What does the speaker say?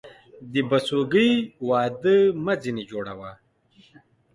د بسوگى واده مه ځيني جوړوه.